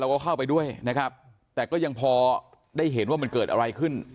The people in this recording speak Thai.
ก็เข้าไปด้วยนะครับแต่ก็ยังพอได้เห็นว่ามันเกิดอะไรขึ้น